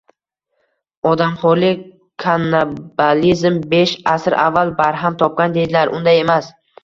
Odamxo’rlik-kannibalizm, besh asr avval barham topgan, deydilar… Unday emas.